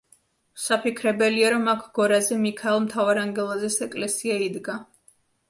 საფიქრებელია, რომ აქ გორაზე მიქაელ მთავარანგელოზის ეკლესია იდგა.